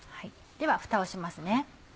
ではふたをしますね